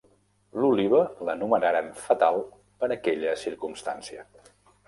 L'oliva l'anomenaren "fatal" per aquella circumstància.